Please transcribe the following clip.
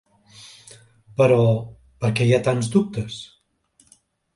Però, per què hi ha tants dubtes?